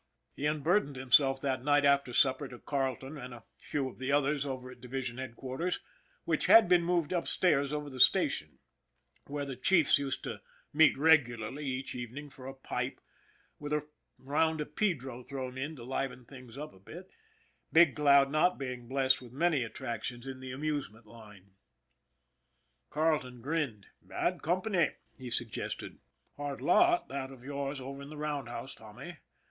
He unburdened himself that night after supper to Carleton and a few of the others over at division head quarters, which had been moved upstairs over the sta tion, where the chiefs used to meet regularly each evening for a pipe, with a round of pedro thrown in to liven things up a bit Big Cloud not being blessed with many attractions in the amusement line. Carleton grinned. " Bad company," he suggested. " Hard lot, that of yours over in the roundhouse, Tommy.